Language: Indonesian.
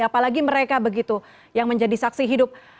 apalagi mereka begitu yang menjadi saksi hidup